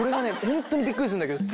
ホントにびっくりするんだけど。